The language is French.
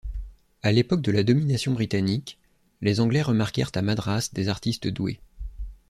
À l'époque de la domination britannique, les anglais remarquèrent à Madras des artistes doués.